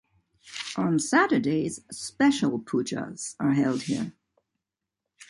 On Saturdays special pujas are held here.